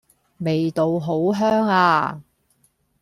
味道好香呀